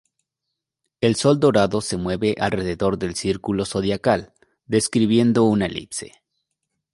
El sol dorado se mueve alrededor del círculo zodiacal, describiendo una elipse.